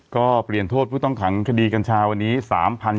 ก็เปลี่ยนโทษผู้ต้องขังคดีกัญชาวันนี้